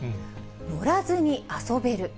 乗らずに遊べる。